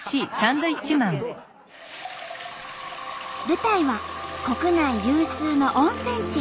舞台は国内有数の温泉地